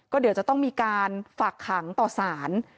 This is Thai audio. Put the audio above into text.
เดี๋ยวจะต้องมีการฝากขังต่อสาร